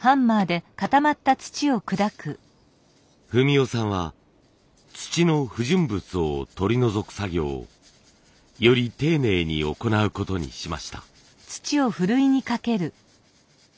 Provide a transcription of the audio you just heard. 文雄さんは土の不純物を取り除く作業をより丁寧に行うことにしました。